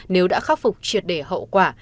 nếu đã khắc phục triệt đề hậu quả